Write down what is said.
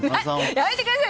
やめてください！